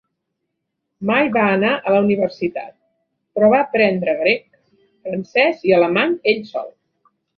Mai va anar a la Universitat, però va aprendre grec, francès i alemany ell sol.